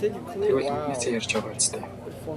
Тэгвэл үнэнээсээ ярьж байгаа юм биз дээ?